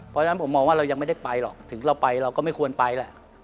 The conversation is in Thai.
เพราะฉะนั้นผมมองว่าเรายังไม่ได้ไปหรอกถึงเราไปเราก็ไม่ควรไปแหละ